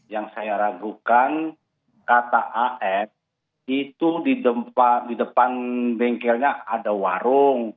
yang saya ragukan kata as itu di depan bengkelnya ada warung